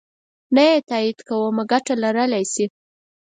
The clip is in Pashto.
نه یې تایید کومه ګټه لرلای شي.